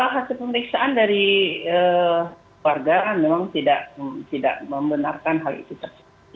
hasil pemeriksaan dari warga memang tidak membenarkan hal itu